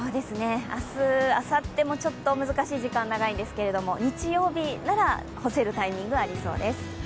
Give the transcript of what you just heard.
明日あさってもちょっと難しい時間長いんですけれども日曜日なら干せるタイミングがありそうです。